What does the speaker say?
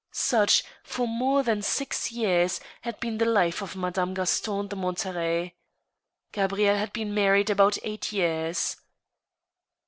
Such, for more than six years, had been the life of Madame Gaston de Monterey. Gabrieile had been married about eight years.